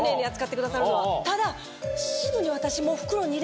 ただ。